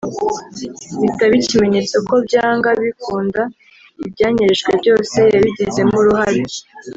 bitaba ikimenyetso ko byanga bikunda ibyanyerejwe byose yabigizemo uruhare